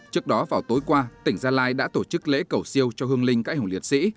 trước đó vào tối qua tỉnh gia lai đã tổ chức lễ cầu siêu cho hương linh cãi hùng liệt sĩ